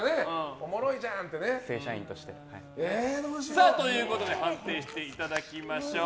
おもろいじゃんってね。ということで判定していただきましょう。